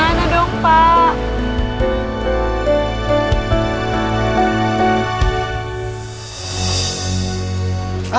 tapi dia nelfon saya ngasih tau